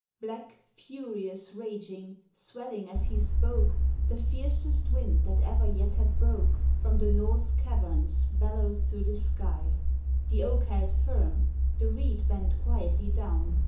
Black, furious, raging, swelling as he spoke, The fiercest wind that ever yet had broke From the North's caverns bellowed through the sky. The Oak held firm, the Reed bent quietly down.